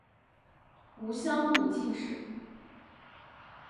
吴襄武进士。